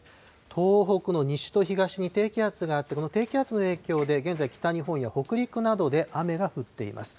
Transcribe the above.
東北の西と東に低気圧があって、この低気圧の影響で、現在、北日本や北陸などで雨が降っています。